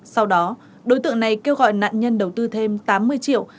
sau đó đối tượng này kêu gọi nạn nhân đầu tư thêm tám mươi triệu